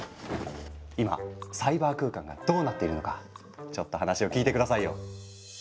今サイバー空間がどうなっているのかちょっと話を聞いて下さいよ。